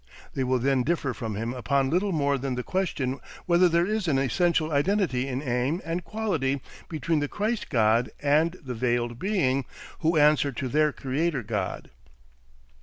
They will then differ from him upon little more than the question whether there is an essential identity in aim and quality between the Christ God and the Veiled Being, who answer to their Creator God.